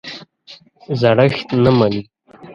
زړښت نه مني.